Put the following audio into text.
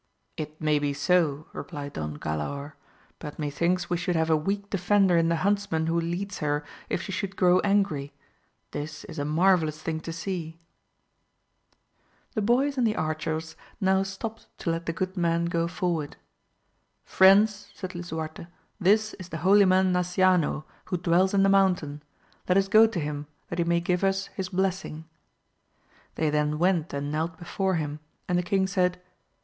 It may be so, replied Don Galaor, but methinks we should have a weak defender in the huntsman who leads her if she should grow angry; this is a marvellgus thing to see ! The boys and the archers now stopt to let the good man go forward. Friends, said Lisuarte, this is the holy man Nasciano who dwells in the mountain, let us go to him that he may give us his blessing. They then went and knelt before him, and the king said.